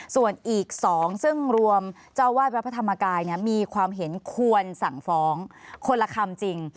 ส่วนอีก๒ซึ่งรวมเจ้าวาดวัดพระธรรมกายมีความเห็นควรสั่งฟ้องคนละคำจริง